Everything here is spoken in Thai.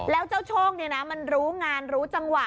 แล้วเจ้าโชคมันรู้งานรู้จังหวะ